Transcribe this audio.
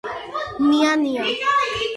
მია ნია